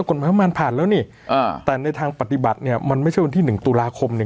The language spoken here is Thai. ประมาณผ่านแล้วนี่อ่าแต่ในทางปฏิบัติเนี่ยมันไม่ใช่วันที่หนึ่งตุลาคมเนี่ย